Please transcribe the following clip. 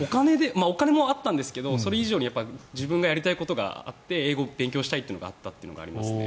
お金もあったんですけどそれ以上に自分がやりたいことがあって英語を勉強したいというのがありましたね。